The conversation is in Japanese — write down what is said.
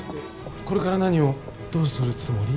これから何をどうするつもり？